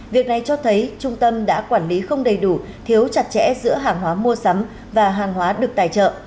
việc này cho thấy trung tâm đã quản lý không đầy đủ thiếu chặt chẽ giữa hàng hóa mua sắm và hàng hóa được tài trợ